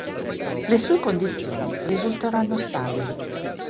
Le sue condizioni risulteranno stabili.